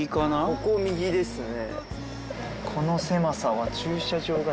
ここを右ですね。